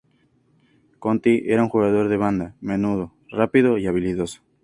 Conti era un jugador de banda, menudo, rápido y habilidoso.